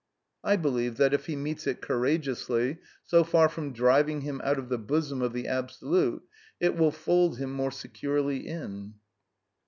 I believe that, if he meets it courageously, so far from driving him out of the bosom of the Absolute, it will fold him more securely in.